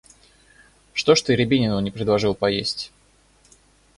Что ж ты Рябинину не предложил поесть?